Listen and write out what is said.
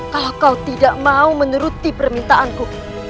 kalau kau tidak mau menuruti permintaanku